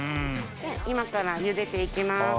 今からゆでて行きます。